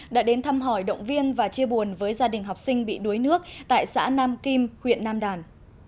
đã đến thăm hỏi động viên và chia buồn với gia đình học sinh bị đuối nước tại xã nam kim huyện nam đàn